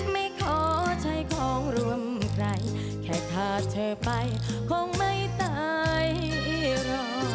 ไม่ขอใช้ของรวมใครแค่พาเธอไปคงไม่ตายรอ